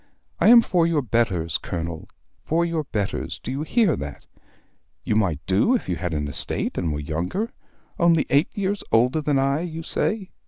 I am for your betters, Colonel, for your betters: do you hear that? You might do if you had an estate and were younger; only eight years older than I, you say!